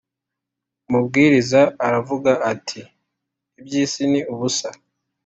Umubwiriza aravuga ati ibyisi ni ubusa